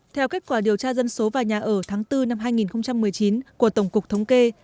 theo kết quả điều tra dân số và nhà ở tháng bốn năm hai nghìn một mươi chín của tổng cục thống kê